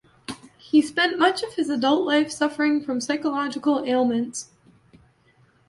He spent much of his adult life suffering from psychological ailments.